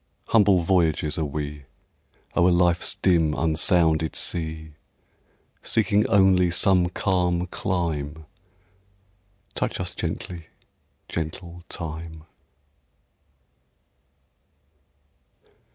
Humble voyagers are we, O'er life's dim unsounded sea, Seeking only some calm clime; Touch us gently, gentle Time!